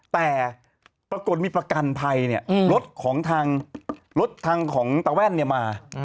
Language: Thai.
แต่ปรากฏมีประกันภัยเนี่ยรถของทางรถทางของตาแว่นเนี่ยมา